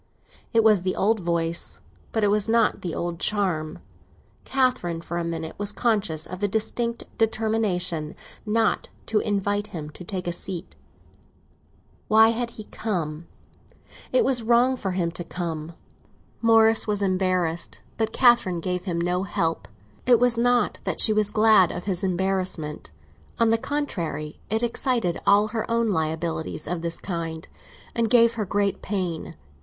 It was the old voice, but it had not the old charm. Catherine, for a minute, was conscious of a distinct determination not to invite him to take a seat. Why had he come? It was wrong for him to come. Morris was embarrassed, but Catherine gave him no help. It was not that she was glad of his embarrassment; on the contrary, it excited all her own liabilities of this kind, and gave her great pain.